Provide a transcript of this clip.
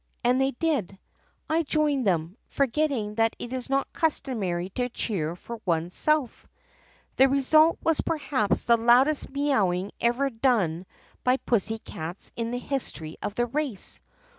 And they did. I joined them, forgetting that it is not customary to cheer for oneself. The result was perhaps the loudest mee owing ever done by pussy cats in the history of the race.